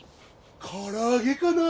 からあげかなぁ？